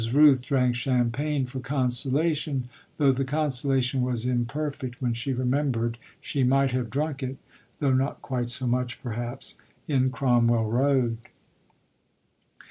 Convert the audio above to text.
Rooth drank champagne for consolation, though the consolation was imperfect when she remembered she might have drunk it, though not quite so much perhaps, in Cromwell Road.